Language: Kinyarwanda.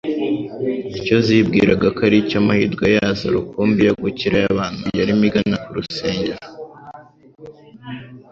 icyo zibwiraga ko ari cyo mahirwe yazo rukumbi yo gukira y’abantu yarimo igana ku rusengero